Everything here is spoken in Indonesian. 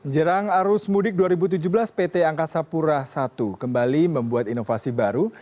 jelang arus mudik dua ribu tujuh belas pt angkasa pura i kembali membuat inovasi baru